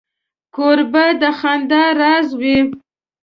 کوربه د خندا راز وي.